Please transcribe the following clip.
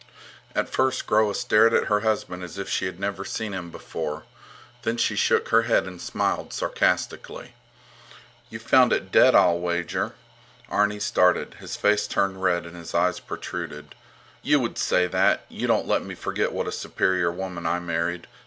At first Groa stared at her husband as if she had never seen him before. Then she shook her head and smiled sarcastically. You found it dead, I'll wager! Arni started. His face turned red and his eyes protruded. You would say that! You don't let me forget what a superior woman I married!